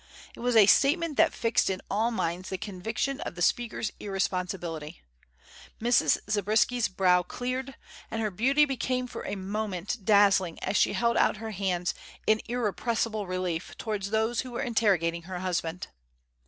It was a statement that fixed in all minds the conviction of the speaker's irresponsibility. Mrs. Zabriskie's brow cleared, and her beauty became for a moment dazzling as she held out her hands in irrepressible relief towards those who were interrogating her husband.